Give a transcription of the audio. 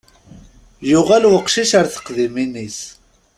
Yuɣal weqcic ar teqdimin-is.